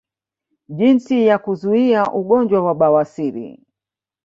Jinsi ya kuzuia ugonjwa wa bawasiri